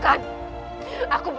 aku ingin menjawab